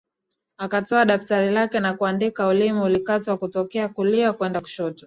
Akatoa daftari lake na kuandika ulimi ulikatwa kutokea kulia kwenda kushoto